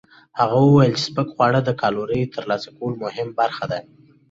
هغه وویل چې سپک خواړه د کالورۍ ترلاسه کولو مهمه برخه ده.